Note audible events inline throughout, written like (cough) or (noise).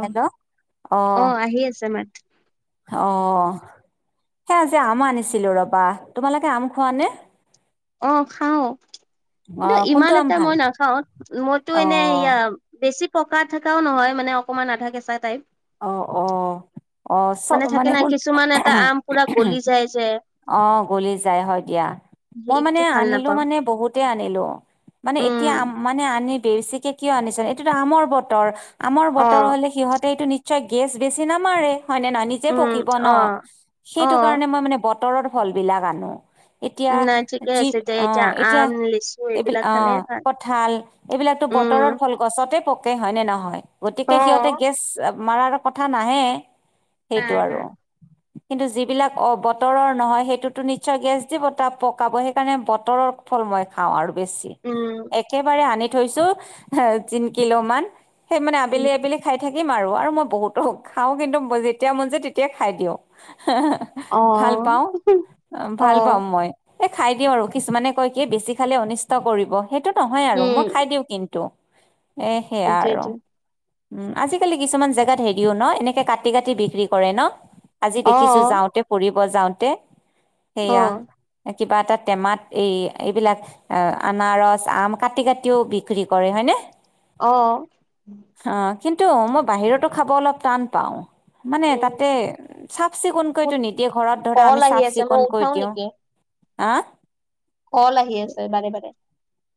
অ hello আহ আহ আহি আছে মাত অ সে আজি আম আনিছিলো ৰবা তোমালোকে আম খোৱা নে অ খাও অ কিন্তু ইমান কোনটো আম এটা ভাল মই নাখাও মইতো অ এনে ইয়া বেছি পকা থকাও নহয় মানে অকণমান আধা কেঁচা টাইপ অ অ আহ চব থাকে মানে না শুন কিছুমান এটা আম পুৰা গলি যায় যে অ গলি যায় হয় দিয়া মই মানে সেইটো ভাল আনিলো নাপাও মানে বহুতে আনিলো মানে এতিয়া আম উম মানে আনি বেছিকে কিয় আনিছ এইটোতো আমৰ বতৰ আমৰ অ বতৰ হ'লে সিহঁতে এইটো নি নিচয় গেছ বেছি নামাৰে হয়নে না নিজে উম পকিব ন অ অ সেইটো কাৰণে মই মানে বতৰৰ ফল বিলাক আনো এতিয়া নাই ঠিকে যি আছে দে অ এতিয়া আম লিচু এইবিলাক অ খালে ভাল কঁঠাল এইবিলাকো বতৰৰ উম ফল গছতে হয় নে নহয় অ গতিকে সিহঁতে গেছ মাৰাৰ কথা নাহে সেইটো নাই আৰু নাই কিন্তু যিবিলাক অ বতৰৰ নহয় সেইটোতো নিশ্চয় গেছ দিব ত পকাব সেইকাৰণে বতৰৰ ফল মই খাওঁ আৰু বেছি উম একেবাৰে আনি থৈছো তিন কিলো মান সেই মানে উম আবেলি আবেলি খাই থাকিম আৰু আৰু মই বহুতো খাওঁ কিন্তু যেতিয়া মন যায় তেতিয়াই খাই দিওঁ অ ভাল পাওঁ অ ভাল পাওঁ মই এ খাই দিওঁ আৰু কিছুমানে কয় কি বেছি খালে অনিষ্ট কৰিব সেইটো নহয় আৰু উম মই খাই দিওঁ কিন্তু এ সেয়া আৰু সেইটোৱেটো উ আজিকালি কিছুমান জে হেৰিও ন এনেকে কাটি কাটি বিক্ৰী কৰে ন আজি অ দেখিছো যাওঁতে পৰি যাওঁতে অ সেয়া কিবা এটা টেমাত এই এইবিলাক আনাৰস আম কাটি কাটিও বিক্ৰী কৰে হয়নে অ অ' কিন্তু মই বাহিৰতো খাব অলপ টান পাওঁ মানে উম, তাতে চাফ মোৰ চিকুণকৈতো নিদিয়ে ঘৰত ধৰা কল আমি আহি চাফ আছে মই চিকুণকৈ দিওঁ (inaudible) অ কল আহি আছে বাৰে বাৰে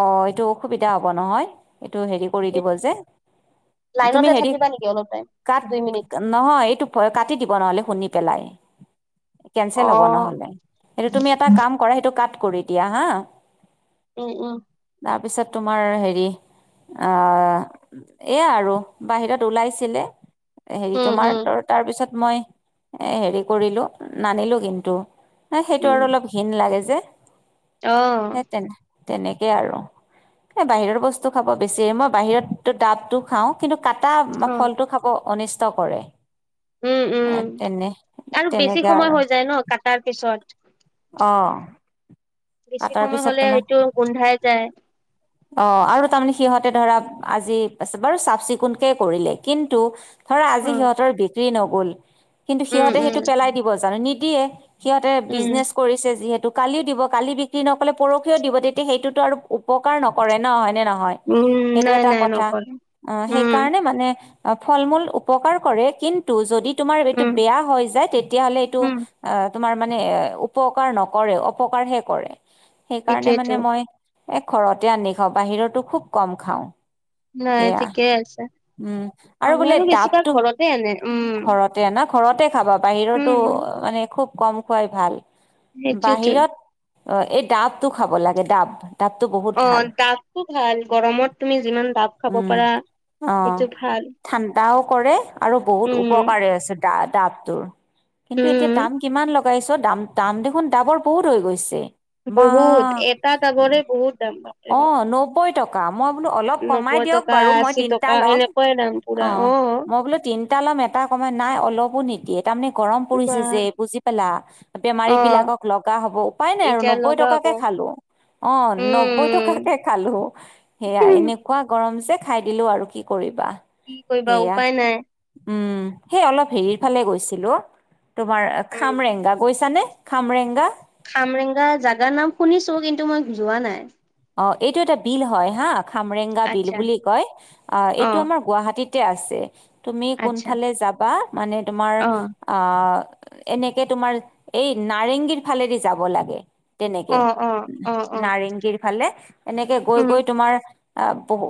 অ এইটো অসুবিধা হ'ব নহয় এইটো হেৰি কৰি দিব যে তুমি লাইনতে হেৰি থাকিবা নেকি অলপ টাইম কাট দুই মিনিট? নহয় এইটোয় কাটি দিব নহ'লে শুনি পেলাই কেনচেল হ'ব অ', নহ'লে সেইটো তুমি এটা কাম কৰা সেইটো কাট কৰি দিয়া হা উম উম তাৰপিছত তোমাৰ হেৰি আহ এয়া আৰু বাহিৰত ওলাইছিলে হেৰি উম, তোমাৰ উম, তাৰপিছত মই এ হেৰি কৰিলো নানিলো কিন্তু সেইটো উম, আৰু অলপ ঘিন লাগে যে অ সেই তেনে তেনেকে আৰু এ বাহিৰৰ বস্তু খাব বেছি মই বাহিৰতো দাবটো খাওঁ কিন্তু কাটা অ', ফলটো খাব অনিষ্ট কৰে উম উম তেনে আৰু বেছি তেনেকে সময় আৰু হৈ যায় ন কটাৰ পিছত অ বেছি কাটাৰ সময় পিছত হলে তোমাৰ সেইটো গোন্ধাই যায় অ আৰু তাৰমানে সিহঁতে ধৰা আজি বাৰু চাফ চিকুণকে কৰিলে কিন্তু ধৰা আজি উম, সিহঁতৰ বিক্ৰী নগল কিন্তু উম, সিহঁতে উম, সেইটো পেলাই দিব জানো নিদিয়ে সিহঁতে উম, বিজনেছ কৰিছে যিহেতু কালিও দিব কালি বিক্ৰী নকলে পৰহিও দিব তেতিয়া সেইটোত আৰু উপকাৰ নকৰে ন হয়নে নহয় হয় উম, সেইটো নাই এটা নাই কথা নকৰে। অ উম, সেইকাৰণে মানে ফল মূল উপকাৰ কৰে কিন্তু যদি তোমাৰ এইটো উম, বেয়া হৈ যায় তেতিয়া হলে এইটো উম, আ তোমাৰ মানে উপকাৰ নকৰে অপকাৰহে কৰে সেইকাৰণে সেইটোয়েতো মানে মই এ ঘৰতে আনি খাওঁ বাহিৰতো খুব কম খাওঁ নাই সেয়া ঠিকে আছে উম আৰু আমি বোলে বেছিভাগ ডাবটো ঘৰতে আনে উম, ঘৰতে ন ঘৰতে খাবা উম, বাহিৰতো মানে খুব কম খোৱাই ভাল সেইটোৱেটো বাহিৰত অ এই ডাবটো খাব লাগে ডাব ডাবটো বহুত অ ভাল দাবটো ভাল গৰমত তুমি যিমান দাব খাব পাৰা অঁ সেইটো ভাল ঠাণ্ডাওঁ কৰে আৰু বহুত উম উপকাৰে আছে দ দাবটোৰ কিন্তু এতিয়া উম দাম কিমান লগাইছত। দাম দাম দেখোন দাবৰ বহুত হৈ গৈছে। বহুত এটা আগৰে বহুত। দাম বাপৰে বাপ অঁ নব্বৈ টকা। মই বোলো অলপ কমাই নব্বৈ দিয়ক টকা আৰু মই আশী তিনতা টকা লম এনেকুৱাই দাম পুৰা অঁ অ মই বোলো তিনটা এটা ল'ম এটা কমাই নাই অলপো নিদিয়ে তাৰমানে গৰম বা পৰিছে যে বুজি পালা অ বেমাৰী বিলাকক লগা হব উপায় নাই আৰু এতিয়া নব্বৈ লগা টকা হব খালো অঁ নব্বৈ উম টকাকে খালো সেয়া এনেকুৱা গৰম যে খাই দিলো আৰু কি কৰিবা কি কৰিবা সেয়া উপায় নাই সেই অলপ হেৰি ফালে গৈছিলোঁ তোমাৰ উম খামৰেংগা গৈছানে খামৰেংগা খামৰেংগা জাগাৰ নাম শুনিছো কিন্তু মই যোৱা নাই অ এইটো এটা বিল হয় হা খামৰেংগা বিল আচ্ছা বুলি কয় অ এইটো আমাৰ গুৱাহাটীত আছে তুমি আচ্ছা কোনফালে যাবা মানে তোমাৰ অ আহ এনেকে তোমাৰ এই নাৰেংগীৰ ফালেদি যাব লাগে তেনেকে অ অ অ অ নাৰেংগীৰ ফালে এনেকে গৈ উম গৈ তোমাৰ আহ বহু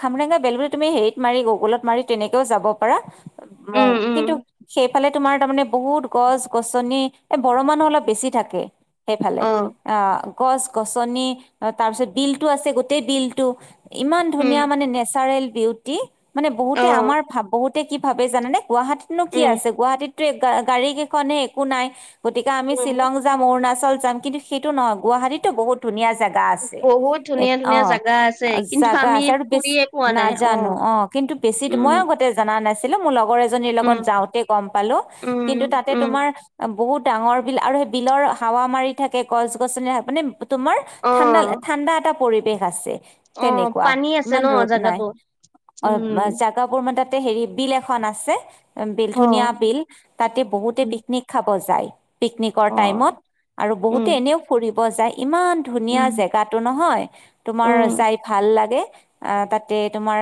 খামৰেংগা বেলুৰি তুমি হেৰিত মাৰি গুগলত মাৰি তেনেকেও যাব পাৰা উম উম কিন্তু সেইফালে তোমাৰ তাৰমানে বহুত গছ গছনি এ বৰ মানুহ অলপ বেছি থাকে হেঁ। সেইফালে অ আহ গছ গছনি তাৰপিছত বিলতটো আছে গোটেই বিলতটো ইমান উম ধুনীয়া মানে নেচাৰেল বিউটি মানে অ বহুতে আমাৰ ভ বহুতে কি ভাবে জানানে গুৱাহাটীতনো কি উম আছে গুৱাহাটীতো গাড়ী কেইখনে একো নাই। গতিকে আমি উম, শ্বিলং যাম অৰুণাচল যাম কিন্তু সেইটো নহয় গুৱাহাটীতো বহুত ধুনীয়া জেগা বহুত ধুনীয়া আ ধুনীয়া জাগা আছে অঁ কিন্তু জাগা আমি আছে আৰু বেছ ফুৰিয়ে পোৱা নাই নাজানো অ কিন্তু বেছি মই উম, আগতে জনা নাছিলো মোৰ লগৰ এজনি উম, লগত যাঁও তে গম পালো উম, কিন্ত তাতে উম, তোমাৰ অঁ বহুত ডাঙৰ বিল আৰু সেই বিলৰ হাৱা মাৰি থাকে গছ গছনি মানে তোমাৰ অ। ঠাণ্ডা ঠাণ্ডা এটা পৰিৱেশ আছে। অ তেনেকুৱা পানী আছে ইমান ন ৰ'দ নাই জাগাতো অঁ উম, জোগাবোৰ মানে তাত তাতে হেৰি বিল এখন আছে বিল অ, ধুনীয়া বিল তাতে বহুতে উম, পিকনিক খাব যায় পিকনিকৰ অ। টাইমত আৰু উম, বহুতে এনেও ফুৰিব যায় ইমান ধুনীয়া উম, জেগাতটো নহয় তোমাৰ উম, যাই ভাল লাগে অঁ তাতে তোমাৰ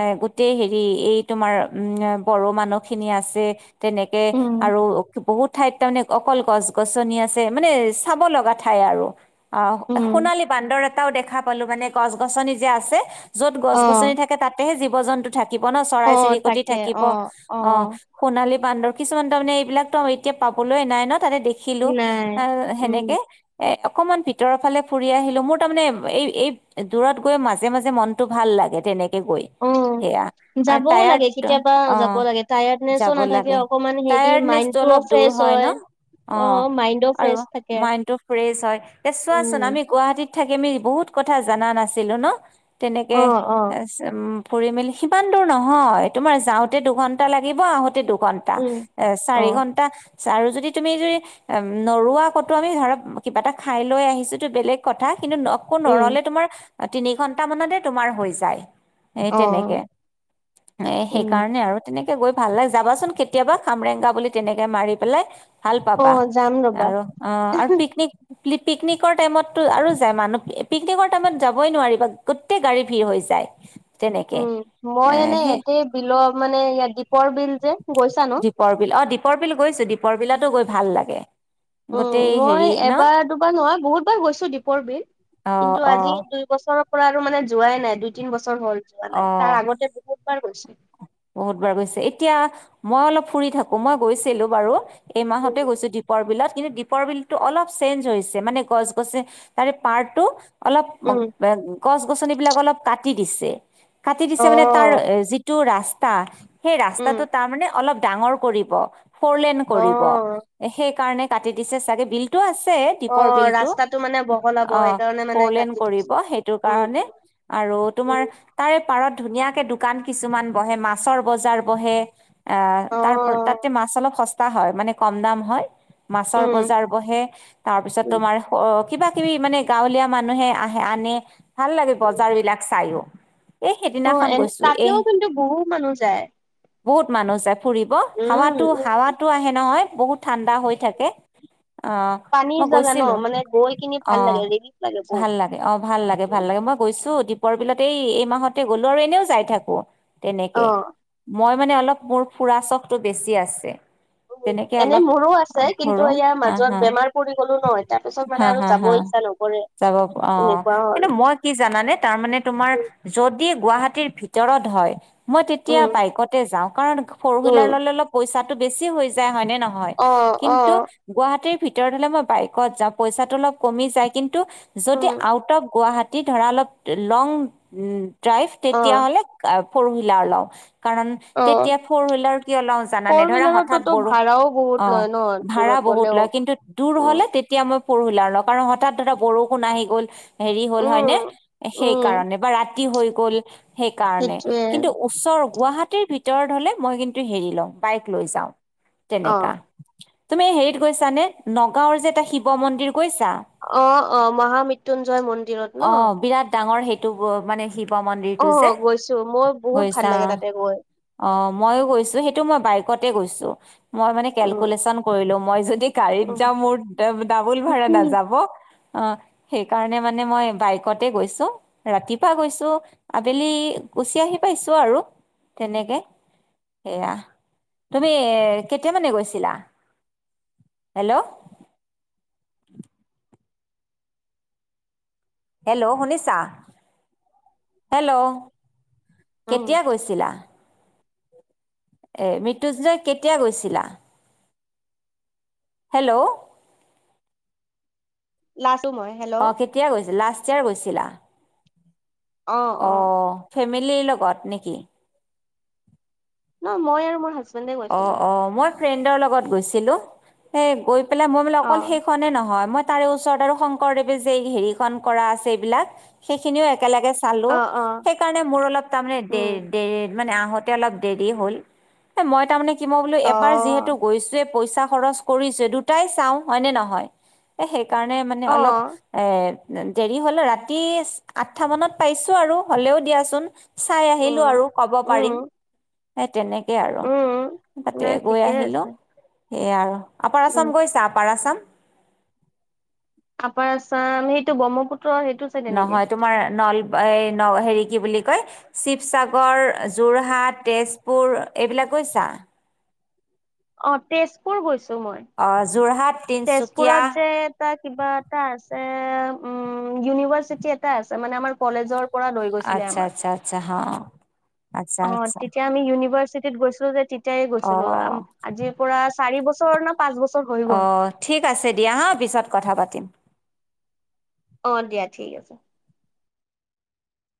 এ গোটেই হেৰি এই তোমাৰ উম বড়ো মানুহ খিনি আছে আছে তেনেকে উম, আৰু বহুত ঠাইত তাৰমানে অকল গছ গছনি আছে মানে চাব লগা ঠাই আৰু আহ উম, সোণালী বান্দৰ এটাও দেখা পালো মানে গছ গছনি যে আছে য'ত গছ অ। গছনি থাকে তাতেহে জীৱ জন্তু থাকিব ন অ চৰাই চিৰিকট থাকে থাকিব অ, অ সোণালী বান্দৰ কিছুমান তাৰমানে এই বিলাকৰ এয়া পাবলৈ নাই ন তাতে দেখিলো নাই উম, সেনেকে এ অকমান ভিতৰৰ ফালে ফুৰি আহিলো মোৰ তাৰমানানে এই এই দূৰত গৈ মাজে মাজে মনতটো ভাল লাগে তেনেকে গৈ অ। সেয়া আৰু যাবও লাগে টায়াৰ্ড কেতিয়াবা অ যাব লাগে টায়াৰ্ডনেচো যাব নাথাকে লাগে অকমান হেৰি টায়াৰ্ডনেছ মাইণ্ডটোও অলপ দূৰ ফ্ৰেছ হয় ন অ অঁ মাইণ্ডও আৰু ফ্ৰেছ থাকে মাইডটো ফ্ৰেচ হয় এ চোৱাচোন উম। আমি ক গুৱাহাটীত থাকি আমি বহুত কথা জানা নাছিলো ন অ তেনেকে অ উ ফুৰি মেলি সিমান দূৰ নহয় তোমাৰ যাওঁতে দুঘন্টা লাগিব আহোঁতে দু ঘণ্টা উম এ অ চাৰি ঘণ্টা আৰু যদি তুমি যদি নৰৱা কতো আমি ধৰা কিবা এটা খাই লৈ আহিছো ত বেলেগ কথা কিন্তুকো উম নৰলে তোমাৰ তিনি ঘন্টা মানতে তোমাৰ হৈ যায় এ অ তেনেকে এ উম সেইকাৰণে আৰু তেনেকে। গৈ ভাল লাগে যাবাচোন কেতিয়াবা খামৰেংগা বুলি তেনেকে মাৰি পেলাই। ভাল অ পাবা যাম ৰবা আৰু অ আৰু পিকনিক পিকনিকৰ টাইমত। আৰু যায় মানুহ পিকনিকৰ টাইমত যাবই নোৱাৰি বা গোটেই গাড়ী ভিৰ হৈ যায়। তেনেকে উম এ মই এনে সেই এতেই বিলৰ মানে ইাত দ্বীপৰ বিল যে গৈছা নো। দীপৰ বিল অ দীপৰ বিল গৈছো দীপৰ বিলাতো গৈ ভাল লাগে। উম গোটেই হেৰি মই ন এবাৰ দুবাৰ নহ বহুতবাৰ গৈছো দীপৰ বিল। অ কিন্তু অ আজি দুই বছৰৰত। আৰু মানে যোৱাই নাই দুই তিন বছৰ হল যোৱা নাই অ তাৰ আগতে বহুতবাৰ গৈছো। বহুত বাৰ গৈছে এতিয়া মই অলপ ফুৰি থাকো মই গৈছিলো বাৰু এই মাহতে উম গৈছো। দীপৰ বিলত কিন্তু দীপৰ বিলতটো অলপ চেঞ্জ হৈছে মানে গছ গছে তাৰে পাৰটো। অলপ উম গছ গছনি বিলাক অলপ কাটি দিছে। কাটি দিছে অ মানে তাৰ যিটো ৰাস্তা সেই উম ৰাস্তাটো তাৰ মানে অলপ। ডাঙৰ কৰিব ফৰলেন অ কৰিব সেই কাৰণে কাটি দিছে চাগে বিলটো আছে। অ দীপৰ বিলটো ৰাস্তাটো মানে বহলাব অ সেইকাৰণে মানে হৰলেন কাটি কৰিব থৈছে সেইটো উম কাৰণে। উম আৰু তোমাৰ উম তাৰে পাৰত। ধুনীয়াকে দোকান কিছুমান বহে মাছৰ বজাৰ বহে। আহ অ তাৰ তাতে মাছ অলপ সস্তা হয় মানে কম দাম হয়। মাছৰ উম বজাৰ বহে তাৰ পিছত উম তোমাৰ। কিবা কিবি মানে গাঁৱলীয়া মানুহে আহে আনে ভাল লাগে উম বজাৰ বিলাক চাইও। এই অ সেইদিনাখন এনে গৈছো এই তাতেও কিন্তু বহুত মানুহ যায়। বহুত মানুহ যায় ফুৰিব উম হাৱাতো উম হাৱাতো আহে নহয় বহুত ঠাণ্ডা হৈ থাকে। আহ পানীৰ মই জাগা ন গৈছিলো মানে গৈ কিনি ভাল অহ। লাগে ৰিলিফ লাগে বহুত ভাল লাগে অ ভাল লাগে ভাল লাগে মই গৈছো। দিপৰ বিলতে এই মাহতে গ'লো আৰু এনেও যাই থাকো। অ। তেনেকে মই মানে অলপ মোৰ ফুৰা চখটো বেছি আছে। উ তেনেকে এনেই অলপ মোৰো আছে কিন্তু ঘূৰো এয়াৰ হা হা মাজত বেমাৰ পৰি গলো নহয় তাৰ পিছত হা মানে আৰু হা যাবই। হা ইচ্ছা নকৰে। অ এনেকুৱা হ'ল কিন্তু মই কি জানানে তাৰমানে তোমাৰ যদি। গুৱাহাটীৰ ভিতৰত হয় মই তেতিয়া উম বাইকতে যাওঁ কাৰণ ফৰ হুইলাৰ ল উম অলপ পইচা। বেছি হৈ যায় হয় ন নহয় অ অ কিন্তু গুৱাহাটী। ভিতৰত হলে মই বাইকত যাওঁ পইচাটো অলপ কমি যায় কিন্তু যদি উম আউট অফ গুৱাহাটীত। তি ধৰা অলপ লং ড্ৰাইভ অ তেতিয়াহ'লে ফ'ৰ হুইলাৰ লওঁ। কাৰণ অ তেতিয়া ফৰ হুইলাৰ কিয় লও জানাানে ফৰ ধৰা হঠাৎ হুইলাৰততো বৰোষ ভাড়াও বহুত অ লয় ন ভা়ৰা। দূৰত বহুত গলেও লয় কিন্তু দূৰ উম হ'লে তেতিয়া মই। পৰহিলা লগ কাৰণ হঠাৎ ধৰা বৰষুণ আহি গ'ল হেৰি হ'ল হয় উম নে সেই উম কাৰণে বা ৰাতি। হৈ গল সেইকাৰণে সেইটোৱে কিন্তু ওচৰ। গুৱাহাটীৰ ভিতৰত হলে মই কিন্তু হেৰি লওঁ বাইক লৈ যাওঁ অ তেনেকা। তুমি হেৰিত গৈছা নে নগাঁওৰ যে এটা শিৱ মন্দিৰ। কৈছা অ অ মহামৃত্যুঞ্জয় মন্দিৰত অ ন বিৰাট ডাঙৰ সেইটো মানে। শিৱ অ মন্দিৰটো যে গৈছো মই বহুত ভাল গৈছা। লাগে তাতে গৈ অ মইয়ো গৈছো সেইটো মই বাইকতে গৈছো। মই মানে উম কেলকোলেচন কৰিলো মই যদি গাড়ীত উম যাওঁ মোৰা ডাবুল ভাৰা নাযাব। অ সেইকাৰণে মানে মই বাইকতে গৈছো ৰাতিপুৱা গৈছো আবেলি। গুচি আহি পাইছো আৰু। তেনেকে সেয়া তুমি কেতিয়া মানে গৈছিলা। হেল্ল'। হেল্ল' শুনিছা হেল্ল'। উম কেতিয়া গৈছিলা। এ মৃত্যু্জয় কেতিয়া গৈছিলা? হেল্ল' লাষ্ট অ কেতিয়া গৈছিল লাষ্ট ইয়াৰ গৈছিলা নেকি? অ ফেমিলিৰ লগত নেকি? ন মই আৰু মোৰ হাজ অ অ মই ফ্ৰেণ্ডৰ লগত গৈছিলো সেই গৈ পেলাই মই নো অ অকল সেইখনে নহয় মই তাৰে ওচৰত আৰু শংকৰদেৱে যে হেৰিখনন কৰা আছে এইবিলাক সেইখিনিও একেলগে চালো অ অ সেইকাৰণে মোৰ অলপ তাৰমানে দে উম দে মানে আহোতে অলপ দেৰি হ'ল এ মই তাৰমানে কি মই বোলো অ এবাৰ যিহেতু গৈছোয়ে পইচা খৰচ কৰিছে দুটাই চাওঁ হয় নে নহয়। সেই কাৰণে মানে অ অলপ এ দেৰি হ'লো ৰাতি আঠটা মানত পাইছো আৰু হ'লেও দিয়াচোন। চাই আহিলো উম আৰু ক'ব উম পাৰিম সেই তেনেকে আৰু। উম তাতে নাই গৈ ঠিকে আহিলো আছে সেইয়াই আৰু আপাৰ উম আছাম গৈছা আপাৰ আছাম। তপাৰ চাম সেইটো ব্ৰহ্মপুত্ৰ। নহয় তোমাৰ নল। হেৰি কি বুলি কয় শিৱসাগৰ যোৰহাত তেজপুৰ এইবিলাকক? পইচা। অ তেজপুৰ গৈছো। অ যোৰহাট তিনচুকীয়া তেজপুৰত যে এটা কিবা এটা আছে। উম ইউনিভাৰ্চিটি এটা আছে মানে আমাৰ কলেজৰ পৰা লৈ গৈছিলে আচ্ছা আমাক। আচ্ছা আচ্ছা হ আচ্ছা অ আচ্ছা তেতিয়া আমি ইউনিভাৰ্চিটিত গৈছিলো যে তেতিয়াই অ গৈছিলো আজিৰ পৰা। চাৰি বছৰ ন। পাঁচ বছৰ হৈ অ গ'ল। ঠিক আছে দিয়া হা পিছত কথা পাতিম। অ দিয়া ঠিক আছে।